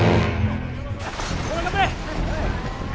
頑張れ。